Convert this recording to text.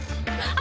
あ。